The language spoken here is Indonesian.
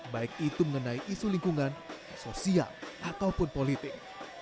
baik itu mengenai isu lingkungan sosial ataupun politik